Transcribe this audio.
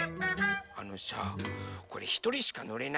あのさこれひとりしかのれないの。